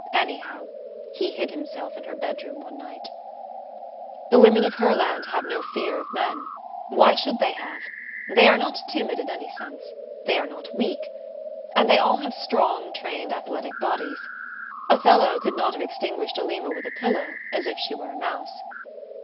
Anyhow, he hid himself in her bedroom one night... The women of Herland have no fear of men. Why should they have? They are not timid in any sense. They are not weak; and they all have strong trained athletic bodies. Othello could not have extinguished Alima with a pillow, as if she were a mouse.